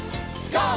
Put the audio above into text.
ＧＯ！